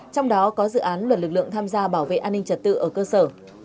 trong đó có dự án luật lực lượng tham gia bảo vệ an ninh trật tự ở cơ sở